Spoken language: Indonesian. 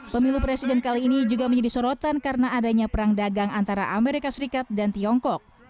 pemilu presiden kali ini juga menjadi sorotan karena adanya perang dagang antara amerika serikat dan tiongkok